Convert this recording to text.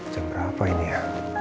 jam berapa ini ya